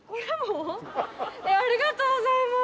ありがとうございます。